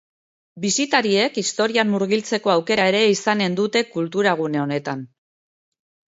Bisitariek historian murgiltzeko aukera ere izanen dute kultura gune honetan.